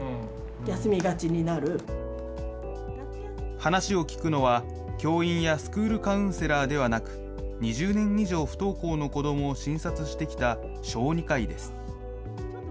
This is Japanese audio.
話を聞くのは、教員やスクールカウンセラーではなく、２０年以上不登校の子どもを診察してきた小児科医です。